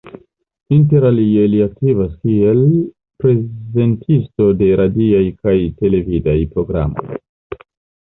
Inter alie li aktivas kiel prezentisto de radiaj kaj televidaj programoj.